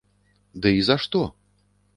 Ды і за што?